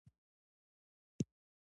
د ماتو خلکو ښځې يرغلګرو د مال غنميت غوندې